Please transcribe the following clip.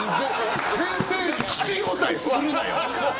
先生に口答えするなよ！